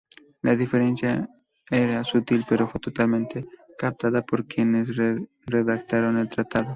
La diferencia era sutil, pero fue totalmente captada por quienes redactaron el tratado.